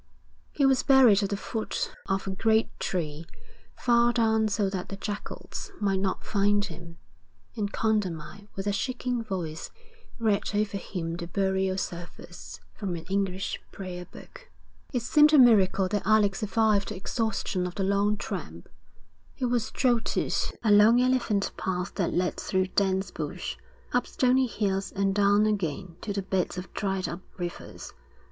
He was buried at the foot of a great tree, far down so that the jackals might not find him, and Condamine with a shaking voice read over him the burial service from an English prayerbook. It seemed a miracle that Alec survived the exhaustion of the long tramp. He was jolted along elephant paths that led through dense bush, up stony hills and down again to the beds of dried up rivers.